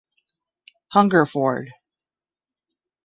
Hungerford.